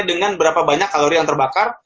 dengan berapa banyak kalori yang terbakar